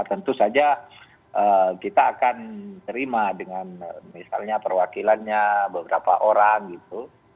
tentu saja kita akan terima dengan misalnya perwakilannya beberapa orang gitu